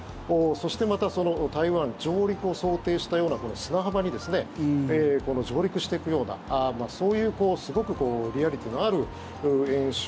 そして、また台湾上陸を想定したような砂浜に上陸していくようなそういうすごくリアリティーのある演習。